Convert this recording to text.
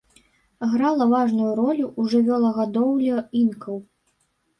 Грала важную ролю ў жывёлагадоўлі інкаў.